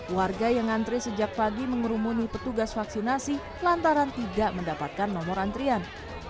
warga yang antre sejak pagi mengerumuni petugas vaksinasi lantaran tidak mendapatkan nomor antrian